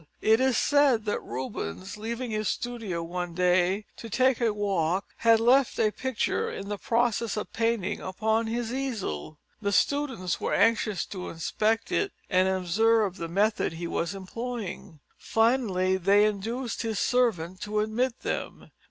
It is said that Rubens, leaving his studio one day to take a walk, had left a picture in the process of painting upon his easel. The students were anxious to inspect it and observe the method he was employing. Finally, they induced his servant to admit them.